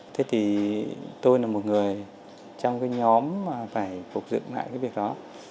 thế thì tôi là một người trong cái nhóm mà phải phục dựng lại cái việc đó